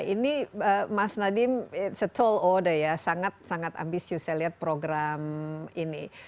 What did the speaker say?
ini mas nadiem ⁇ its ⁇ a tall order ya sangat sangat ambisius saya lihat program ini